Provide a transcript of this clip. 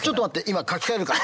今書き換えるから。